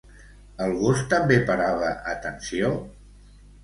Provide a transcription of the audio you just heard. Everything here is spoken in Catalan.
El gos també parava atenció?